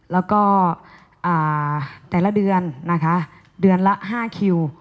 แล้วก็แต่ละเดือนนะคะเดือนละ๕คิว